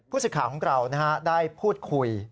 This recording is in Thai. ผู้สิดข่าวของเราได้พูดคุย